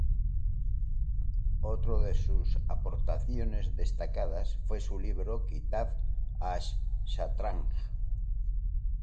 Otro de sus aportaciones destacadas, fue su libro "Kitab ash-Shatranj".